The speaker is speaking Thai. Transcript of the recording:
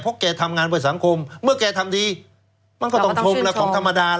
เพราะแกทำงานเพื่อสังคมเมื่อแกทำดีมันก็ต้องชมแล้วของธรรมดา